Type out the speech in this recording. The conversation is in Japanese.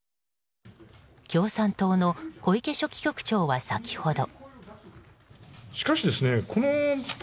共産党の小池書記局長は先ほど。